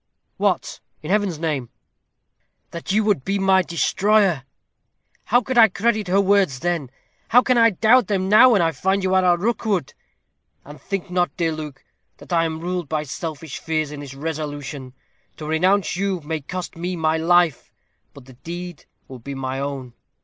"What, in Heaven's name?" "That you would be my destroyer. How could I credit her words then? How can I doubt them now, when I find you are a Rookwood? And think not, dear Luke, that I am ruled by selfish fears in this resolution. To renounce you may cost me my life; but the deed will be my own.